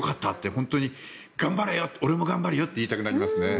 本当に頑張れよって俺も頑張るよって言いたくなりますね。